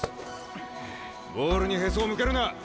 ボールにへそを向けるな。